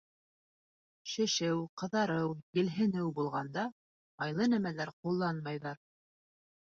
Шешеү, ҡыҙарыу, елһенеү булғанда майлы нәмәләр ҡулланмайҙар.